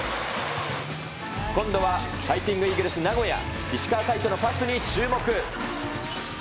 今度は、ファイティングイーグルス名古屋、石川海斗のパスに注目。